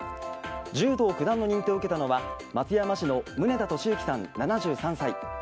柔道九段の認定を受けたのは松山市の棟田利幸さん、７３歳。